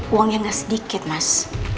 uangnya gak sedikit mas